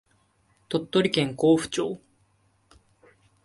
鳥取県江府町